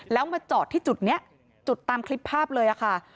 แล้วมาจอดที่จุดนี้จุดตามคลิปภาพเลยค่ะ